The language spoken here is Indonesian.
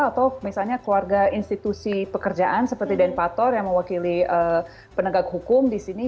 atau misalnya keluarga institusi pekerjaan seperti denpator yang mewakili penegak hukum di sini